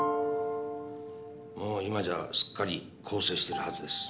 もう今じゃすっかり更生してるはずです。